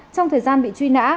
trong thời gian bị truy nã